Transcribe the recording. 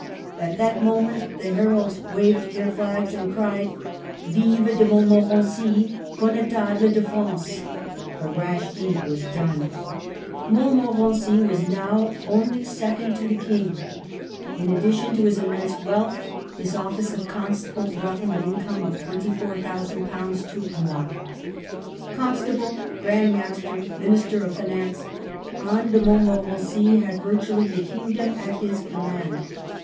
At that moment the heralds waved their flags and cried, " Vive de Montmorency, Connetable de France !" The rash deed was done. Montmorency was now only second to the King. In addition to his immense wealth, his office of Constable brought him an income of i^24,ooo Tournois. Constable, Grand Master, Minister of Finance, Anne de Montmorency had virtually the kingdom at his command.